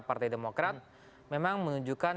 partai demokrat memang menunjukkan